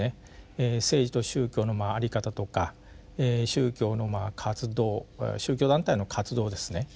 政治と宗教の在り方とか宗教の活動宗教団体の活動ですね